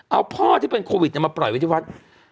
เอาพ่อที่เป็นโควิดมาปล่อยไว้ที่วัด